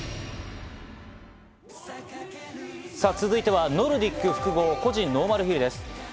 続いてはノルディック複合、個人ノーマルヒルです。